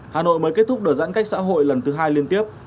hà nội mới kết thúc đợt giãn cách xã hội lần thứ hai liên tiếp